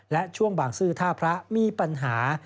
และช่วงบางซื่อท่าพระมีปัญหา